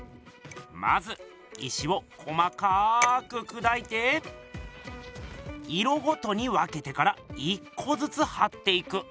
まず石を細かくくだいて色ごとに分けてから１こずつはっていく。